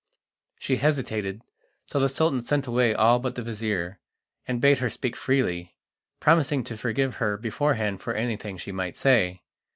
She hesitated, so the Sultan sent away all but the vizir, and bade her speak freely, promising to forgive her beforehand for anything she might say.